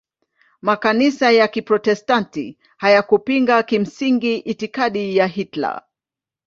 Makanisa ya Kiprotestanti hayakupinga kimsingi itikadi ya Hitler.